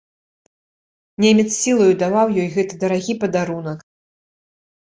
Немец сілаю даваў ёй гэты дарагі падарунак.